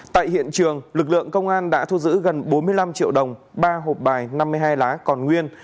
tại hiện trường lực lượng công an đã thu giữ gần bốn mươi năm triệu đồng ba hộp bài năm mươi hai lá còn nguyên